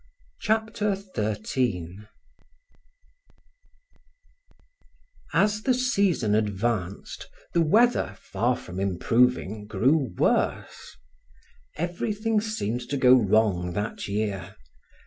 Chapter 13 As the season advanced, the weather, far from improving, grew worse. Everything seemed to go wrong that year.